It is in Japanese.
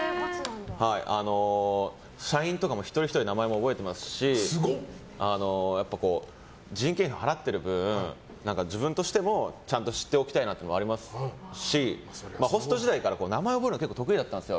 社員とかも、一人ひとり名前とか覚えてますし人件費を払ってる分自分としてもちゃんと知っておきたいなというのもありますしホスト時代から名前を覚えるの得意だったんですよ。